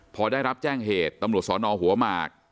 พอได้รับแจ้งเหตุตำลดศนหัวมาก